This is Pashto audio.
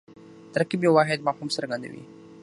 ترکیب یو واحد مفهوم څرګندوي.